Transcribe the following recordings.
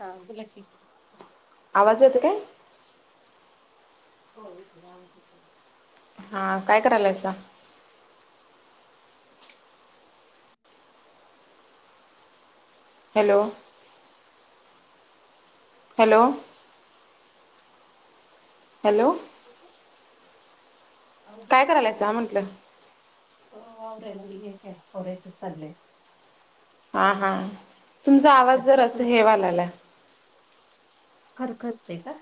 हा, बोला की आवाज येत काय हो इथ आू शतो हा काय करायलायचा हॅलो हॅलो हॅलो ब काय करायलायचं ह म्हटलं अ आवरी हे काय होरायचंच चाललंय हा हा तुमचा आवाज जर अस तू हेवा ला आला हरकतते का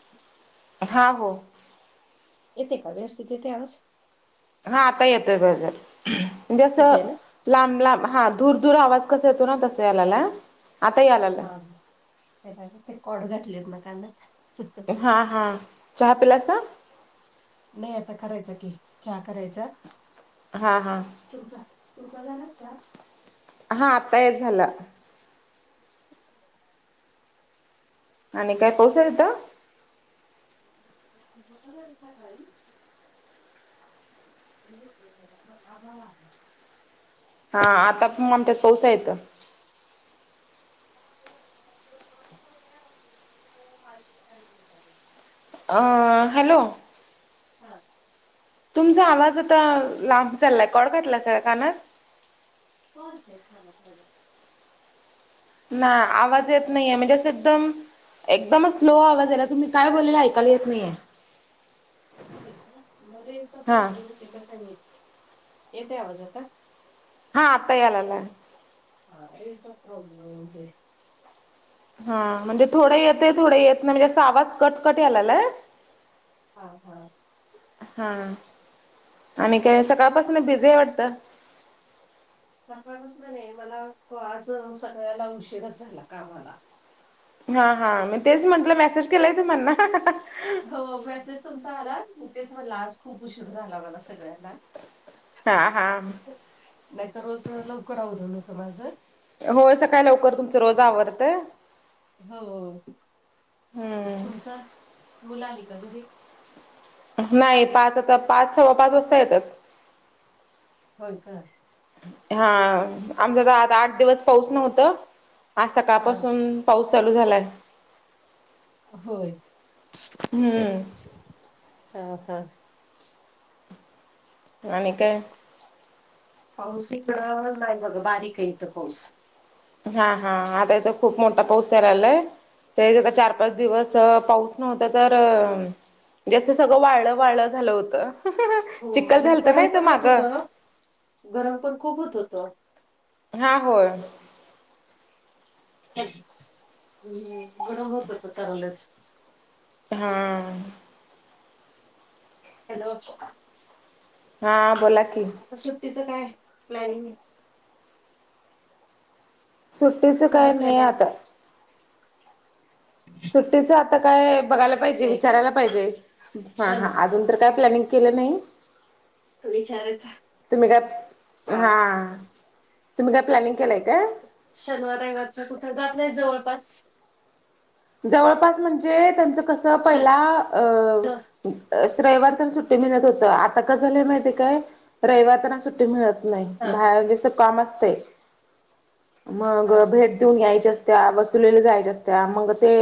हा हो येते का व्यस्थित ते, आवाज हा आता येतोय गजर म्हणजेस येतय ना? लांब लांब हा, दूर दूर आवाज कसा येतो ना तसं या लागला हा ते कोड घातलेत ना कांदात हां हां चहा पलासा नाही आता करायचं की चहा करायचं हा हा तुमचा तुमचा, झाला चहा हा आताय झालं आणि काय पोहसेल तर सुबत त घारी पण आभाव आहे हा आता आमच्यात पोसा येतं. [inaudible] अ हॅलो. हा. तुमचा आवाज आता लांब चाललाय कोड घातला सगळ्या कानात हजे खा खयला. ना आवाज येत नाहीये म्हणजे असं एकदम एकदम स्लो, आवाज तुम्ही काय बोलेयला ऐकायला येत नाहीये. होय का म रेंचा हा प्रॉब्लेम येत का येते आवाज आता हा आता आलाला. हा ते हा म्हणजे थोडं येते थोडं येत ना म्हणजे, आवाज कट कट यालालाय. हा हा. हा आणि काय सकाळपासून बिझी आहे वाटतं. तर माणूस ना नाही मला आज सगळ्याला उशीरच झाला कामाला हा हा मी तेच म्हंटलं मेसेज केलाय तु म्हणना. मेसेज तुमचा आला मग तेच लाज खूप उशीर झाला मला सगळ्यांना हा हा. नाही तर रोज लवकर, आवरून न होतं माझं. हो सकाळी लवकर तुमच रोज आवडतें. हो हम्म तुमच मुला आली का तुरी नाही पाच आता पाच सव्वा पाच वाजता येतात. हो का? हा आमचा तर आता आठ दिवस पाऊस नव्हत आज हा सकाळपासून पाऊस चालू झालाय. होय. हम्म. हम हम. आणि काय? पाऊस इकडं नाही बघ बारीक येत पाौस हा हा आता इथ खूप मोठा पाऊस झा रालाय. ते आता चार पाच दिवस पाऊस नव्हता तर अ जसत सगळं वाळ वाळ झालं होत हो चिक्खल आणि झालत गरम नाहीत पण होत माग होतं. गरम पण खूपत होतो. हा होय. घड होत पतालंच. हा. हॅलो. हा बोला की श्टीचं काय प्लॅनिंग सुट्टीचं काय कुठला प्लॅन नाही आहे आता सुट्टीचं आता काय बघायला पाहिजे नाही का? विचारायला पाहिजे हा शन हा अजून तर काय प्लॅनिंग केलं नाही. विचारायचा तुम्ही काय हा. तुम्ही काय प्लनिंग केलाय का? शनवार आहे मागच कुठं जात नाहीय जवळपास जवळपास म्हणजे त्यांचं कसं पहिला अ. शनिवार रविवार त्यांना सुट्टी मिळत होत आता क झालं माहितीय काय रविवार त्यांना सुट्टी मिळत. नाही हा बाहेर ज काम असते मग हा भेट ऊन यायच्या असत्या वसुलेले जायच्या असत्या मग ते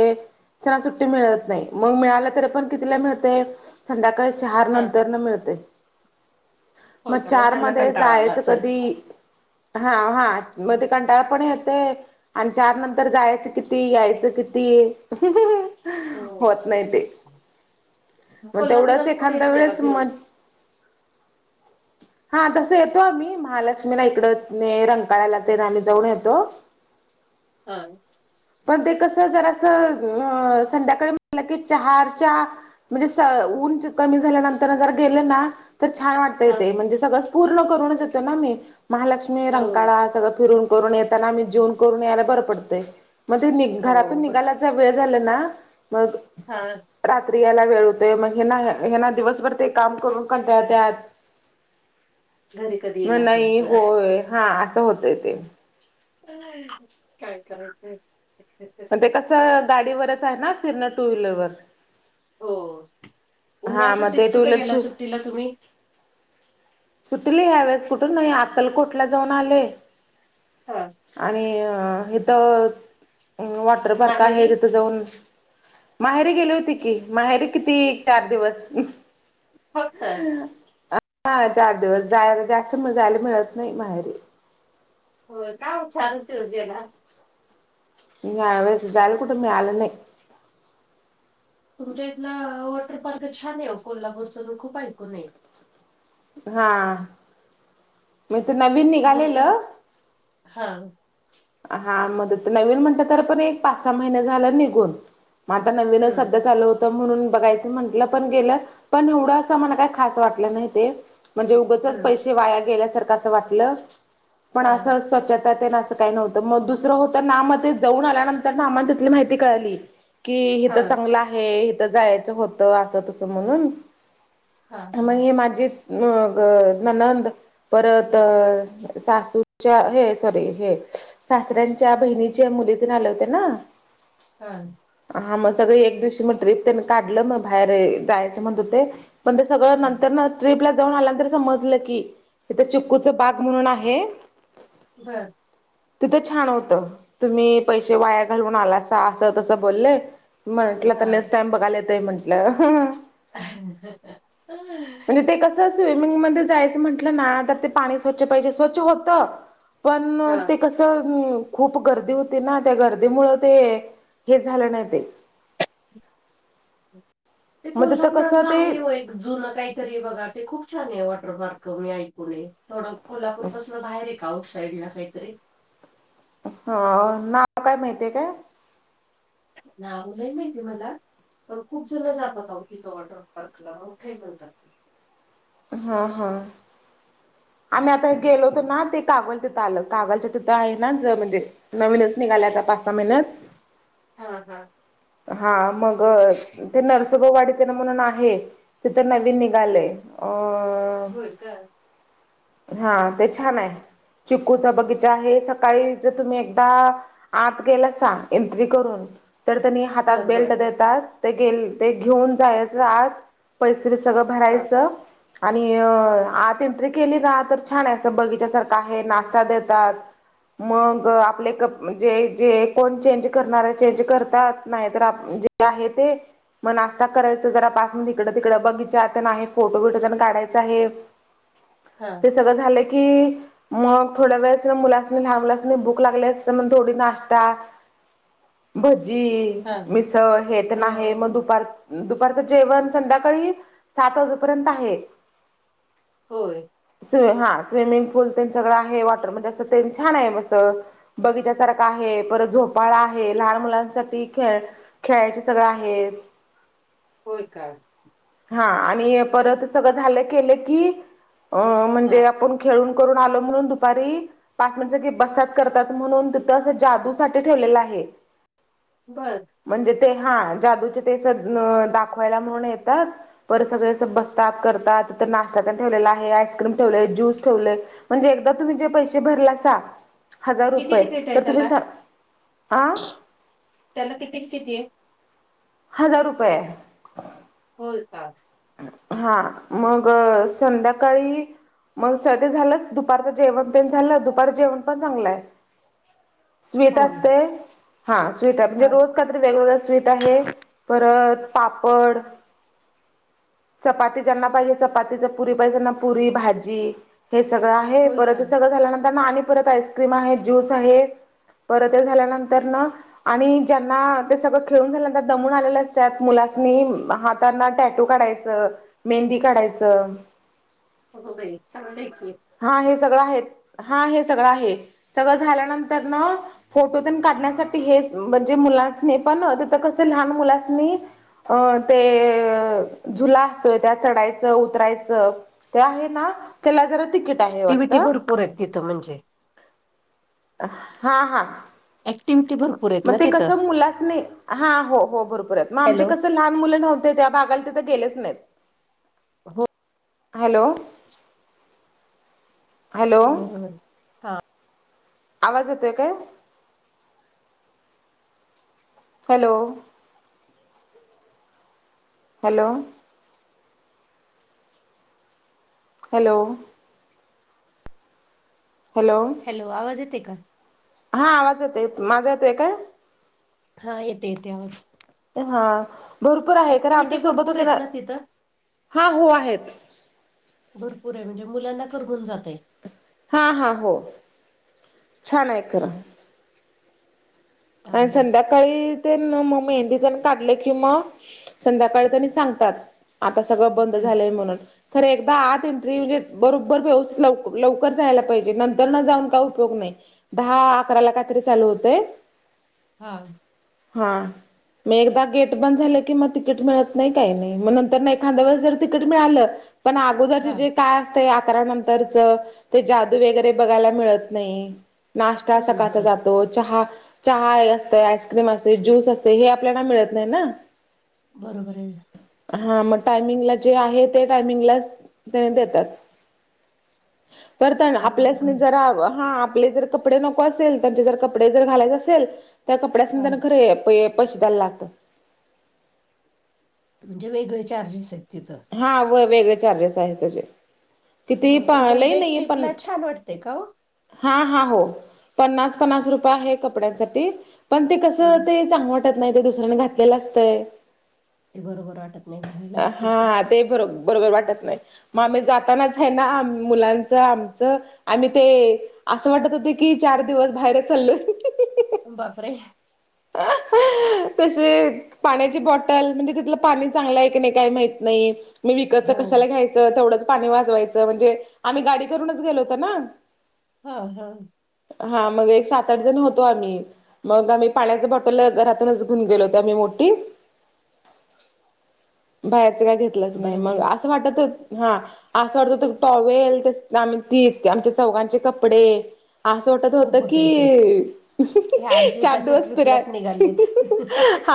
त्यांना सुट्टी मिळत नाही मग मिळालं तरी पण कितीला मिळते. संध्याकाळी चार हा नंतर न मिळते. हो मग का चार त्यांना मध्ये कंटाळा आला जायचं असेल. कधी हा हा मध्ये ते कंटाळा पण येतंय आणि चार नंतर जायचं किती यायचं किती? ते हम्म. होत नाही ते मग कोल्हापुरात तेवढंच कुठे येत एखाद्या नाही का वेळेस म फिरून? [inaudible] हा तसं येतो आम्ही महालक्ष्मीला इकड रंकाळयला ते ना आम्ही जाऊन येतो. [unintelligible] हा. पण ते कस जर असं अ संध्याकाळी म्हटलं की चारच्या म्हणजे स उऊंच कमी झाल्यानंतर जर गेलं ना तर छान वाट. हा म्हणजे सगळ पूर्ण करूनच येतो ना मी महालक्ष्मी हो रंकाळा सगळ फिरून येताना आ् जे करून यायला बर पड हो मगात बर त्या वेळ झाला ना मग हा. रात्री यायला वेळ होते मग हे ना हे ना दिवसभर ते काम करून क त्यात घरी कधी येईल मग असं नाही होतं. होय हा असं होतय ते काय करायचं? पण ते कसं गाडीवरच आहे ना फिरण टू व्हीलरवर हो हा मग उन्हाळ्यासाठी ते टू कुठे गेला व्हीलर सुट्टिला तुम्ही? सुटली ह वेळेस कुठून नाही अकलकोटला जाऊन आले. हां. आणि अ इथ वॉटर पार्क आहे माहेरी तिथं जाऊन माहेरी गेली होती कि माहेरी किती चार दिवस हो सर. हा चार दिवस जायला जास्त मजायला मिळत नाही माहेरी हो का छानसवजीला इ जा झालकुटुबी आले नाही. तुमच्या इथलं वॉटर पार्क छान आहे कोल्हापूरच खूप ऐकूनय. हा. मी तर नवीन मोठं आहे. निघालेलं. हा हा मदत नवीन म्हणत तर पण एक पाच सहा महिने झालं निघून म आता नवीनच हं सध्या चालू होतं म्हणून बघायचं म्हटलं पण गेलं पण एवढं असं मला काय? खच वाटलं नाही ते म्हणजे उगचच हं पैसे वाया गेल्यासारखं असं वाटलं. पण हा असं स्वच्छता ते असं. काही नव्हतं मग दुसरं होतं ना मग ते जाऊन आल्यानंतर नामा तिथली माहिती कळाली. कि हा हथ चांगलं आहे हथ जायचं होत असं तस म्हणून हा मग हा हे माझे अ ननंद. परत सासूच्या हे सॉरी हे. सासऱ्यांच्या बहिणीच्या मुलीतून आले होते ना. हा. हा मग सगळी एक दिवशी मग ट्रीप त्यांनी काढलं मग बाहेर जायचं म्हणतो ते म्हण ते सगळं हा नंतर ट्र्रीपला जाऊन आल्यानंतर समजलं की तिथं चिककूचा बाग म्हणून आहे. बरं. तिथं छान होतं तुम्ही पैसे वाया घालून आलासा असं तसं बोलले. म्हंटलं तर हा. नेक्स्ट टाम बघाला येतय म्हंटलं. ह. हम. म्हणजे ते कस स्विमिंगमध्येध्ये जायचं म्हण. म्हटलं ना तर ते पाणी स्वच्छ पाहिजे स्वच्छ होत पण हा ते कसं? खूप गर्दी होती ना त्या गर्दी मुळ ते हे झालं नाही ते. ते मग तिथं कसं कोल्हापूररला ते आहे होय. जुन काहीतरी बघा ते खूप छान आहे वॉटर पार्क मी ऐकून ये थोडं. कोल्हापूरपसून बाहेर आहे का कशाईडण्या साई तरीच हो नाव काय माहती आहे का. नाव नाही माहिती मला. पण खूप जण जातत आवतीथ वॉटर पार्कला मोगठाही म्हणतात ते हा हा. आम्ही आता गेलो होत ना ते कागल तिथं आलं कागलच्या तिथं आहे ना ज म्हणजे. नवीनच निघाल आता पाच सहा महिन्यात हा हा. हा मग ते नरसगा वाडीना म्हणून आहे. तिथं नवीन निघालेय अ होय का? हा ते छान आहे चिकूचा बगीचा आहे सकाळी जर तुम्ही एकदा आत गेला सां एंट्री करून. तर त्यांनी हातात बर बर बेल्ट देतात तेे ते घेऊन जायच आत पैसे सगळं हा भरायचं आणि हा आत एंट्रिक केली रा तर छान अस बगीचा सारखं आहे नाश्ता देतात. मग आपले क जे जे कोण चेंज करणार चेंज करतात नाही तर. आहे ते. मग नाश्ता करायचं जरा पासून तिकडं तिकडं बगीच्यात आहे फोटो बिटो जण काढायचां आहे. हा ते सगळं झालं की. मग थोड्या वेळेस मुलास लहान मुलास भूक लागली अस तर मग थोडी नाश्ता. भजी हा मिसळ हे तर हो नाही मग दुपार. दुपारचं जेवण संध्याकाळी सात वाजेपर्यंत आहे. होय. स् हा स्विमिंग पूल त्यां सगळं आहे वॉटर म्हणजे असं छान आहे बस. बगीचासारखा आहे परत झोपाळा आहे. लहान मुलांसाठी खेळ खेळायचे सगळं आहे. होय का. हा आणि परत सगळं झालं केलं की अ म्हणजे हा आपण. खेळून करून आलं म्हणून दुपारी पाच मिन गे बसतात करतात म्हणून तिथं अस जादूसाठी ठेवलेलं आहे. बर. म्हणजे ते हा जादूचे ते स दाखवायला म्हणून येतात. परत सगळे असं बसतात करतात तर नाश्ता त्यांण ठेवलेला आहे आइस्क्रीम ठेवले ज्यूस ठेवले. म्हणजे एकदा तुम्ही जे पैसे भरला स. हजार किती रुपये तिकीट आहे तर तुम्ही त्याला स ह. त्याला किपिक स्थिती आहे. हजार रुपये. होोल का. हा मग संध्याकाळी. मग स ते झालंच दुपारचं जेवण प झालं दुपार जेवण पण चांगलं आहे. स्वीट होय असते हा स्वीट का म्हणजे रोज. कातरी वेगवेगळ स्वीट आहे परत पापड. चपाती ज्यांना पाहिजे चपाती पुरी पाहिजे त्यांना पुरी भाजी. हे सगळं आहे होय का परत सगळं झाल्यानंतर ना आणि परत आइस्क्रीम आहे ज्यूस आहे. परत झाल्यानंतर न. आणि ज्यांना, ते सगळं खेळून झाल्यानंतर दमून आलेलं असत्यात, मुलास्नी हातांना टॅटू काढायचा च मेहंदी काढायचं. अगो बाई, चांगलंय की. हा हे सगळं आहे, हा हे सगळं आहे, सगळं झाल्यानंतर न फोटो तेन काढण्यासाठी हेच, म्हणजे मुलास्नी पण तिथं कसं लहान मुलास्नी अं ते झुला असतोय त्यात चढायचं-उतरायचं. ते आहे ना, त्याला जर तिकीट आहे टीव्हीटी वाटतं, भरपूर आहेत तिथं म्हणजे हा हा. ऍक्टिव्हिटी भर मग ते कसं मुलास्नि, हा हो हो बरोबरए मग आमचे हॅलो. कसं लहान मुलं नव्ह ते त्या भागाला तिथे गेलेच नाहीत. हो हॅलो! हॅलो बरोबर. आवाज येतोय काय? Hello! Hello! Hello! Hello! Hello! आवाज येते का? हा आवाज येतो, माझा येतोय काय? हा येते येते आवाज. हा भरपूर आहे, कारण ऍक्टिव्हटी आमच्यासोबत भरपूर होते आहेत ना, तिथं हा हो आहेत. भरपूर आहे, म्हणजे मुलांना करमुन जातय. हा हा हो, छान आहे खरं. आणि चांगलंय. संध्या काळी ते मग मेहंदी तेन काढले कि मग, संध्याकाळी त्यांनी सांगतात. आता सगळं बंद हम्म झालंय म्हणून. खरं एकदा आत एंट्री म्हणजे, बरोबर व्यवस्थित लव लवकर जायला पाहिजे, नंतरन जाऊन काय उपयोग नाही. दहा अकराला कायतरी चालू होतय. हा हा म एकदा गेट बंद झालं की मग तिकीट मिळत नाही काही नाही, मग नंतर नाही एखांद्या वेळेस जर तिकीट मिळालं पण आ गोदरचे हा जे काय असते अकरा नंतरचं, ते जादू वगैरे बघायला मिळत नाही. नाश्ता हम्म सकाळचा हम्म जातो, चहा चहा असते, आइस्क्रीम असते, ज्यूस असते, हे आपल्याला मिळत नाही ना. बरोबर आहे. हा मग टायमिंगला जे आहे ते टायमिंगलाच त्यान देतात. परत हाय ना चांगलंय आपल्यासनि खरं जरा, हा आपले जर कपडे नको असेल, त्यांचे जर कपडे जर घालायचं असेल, त्या हा. कपड्यास्नि खरे पैसे द्यायला लागतं. म्हणजे वेगळे चार्जेस आहेत तिथं हा व वेगळे चार्जेस आहे त्याचे. कितीही होय पण वन पाहिलं डे नाही ट्रिपला पण छान वाटतय का ओ? हा हा हो, पन्नास पन्नास रुपये आहे कपड्यांसाठी. पण ते कसं, हम्म ते चांगले वाटत नाही ते दुसऱ्याने घातलेलं असतंय. ते बरोबर वाटत नाही घालायला. हा ते बरो बरोबर वाटत नाही. मग आम्ही जातानाच आहे ना, मुलांचं आमचं आणि ते असं वाटत होते की चार दिवस बाहेरच चालोय. उम बापरे! आ ह [inaudible] [inaudible] तसे पाण्याची बॉटल, म्हणजे तिथलं पाणी चांगलं आहे की नाही काही माहीत नाही. मी विकतचं हो. कशाला घ्यायचं तेवढंच पाणी वाजवायचं म्हणजे आम्ही गाडी करूनच गेलो होतो ना. हा -हा हा, मग एक सात आठ जण होतो आम्ही मग आम्ही पाण्याच बॉटल घरातूनच घऊन गेलो होतो आम्ही मोठी. बाहेरचं काय घेतलंच नाही बरोबर मग आहे असं वाटत- तर हा असं वाटत तर टॉवेल आम्ही -ती आमच्या चौघांचे कपडे असं वाटत होत खूप होतय ते. की [inaudible] हे आठ चार दिवसाच्या दिवस ट्रिपलाच निघालेत. [inaudible]